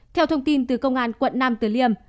theo thông tin từ công an quận năm từ liêm